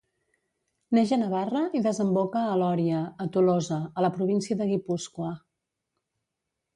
Neix a Navarra i desemboca a l'Oria a Tolosa, a la província de Guipúscoa.